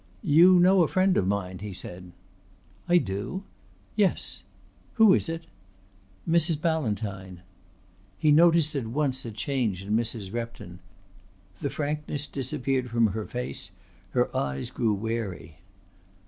"You know a friend of mine," he said. "I do?" "Yes." "Who is it?" "Mrs. Ballantyne." He noticed at once a change in Mrs. Repton. The frankness disappeared from her face; her eyes grew wary.